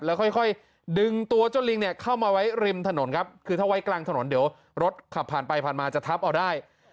แล้วค่อยดึงตัวเจ้าลิงเนี่ยเข้ามาไว้ริมถนนครับคือถ้าไว้กลางถนนเดี๋ยวรถขับผ่านไปผ่านมาจะทับเอาได้